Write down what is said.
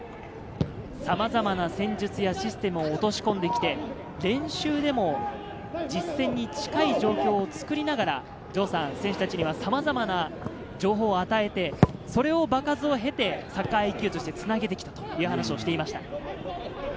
さまざまな戦術やシステムを落とし込んできて、練習でも実戦に近い状況をつくりながら、選手たちにはさまざまな情報を与えて、それを場数を経てサッカーＩＱとしてつなげて来たという話をしていました。